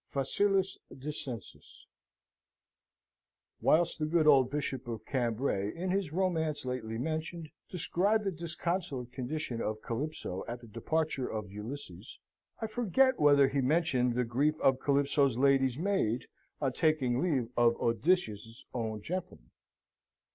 Facilis Descensus Whilst the good old Bishop of Cambray, in his romance lately mentioned, described the disconsolate condition of Calypso at the departure of Ulysses, I forget whether he mentioned the grief of Calypso's lady's maid on taking leave of Odysseus's own gentleman.